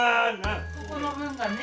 そこの分がね。